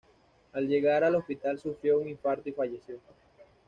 Al llegar al hospital sufrió un infarto y falleció.